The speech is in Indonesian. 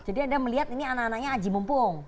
jadi anda melihat ini anak anaknya haji mumpung